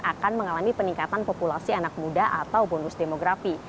akan mengalami peningkatan populasi anak muda atau bonus demografi